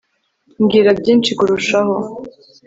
mbwira byinshi kurushaho